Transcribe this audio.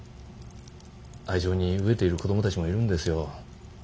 愛情に飢えている子供たちもいるんですよ。